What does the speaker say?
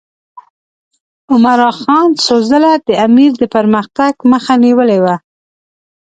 عمرا خان څو ځله د امیر د پرمختګ مخه نیولې وه.